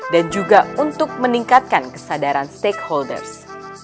dan juga untuk meningkatkan kesadaran stakeholders